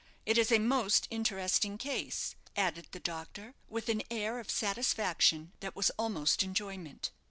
It is a most interesting case," added the doctor with an air of satisfaction that was almost enjoyment.